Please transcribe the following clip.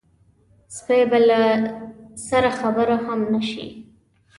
سپۍ به له سره خبره هم نه شي.